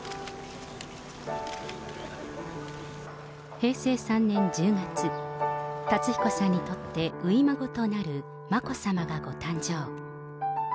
平成３年１０月、辰彦さんにとって初孫となる眞子さまがご誕生。